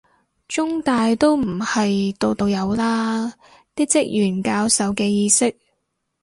中大都唔係度度有啦，啲職員教授嘅意識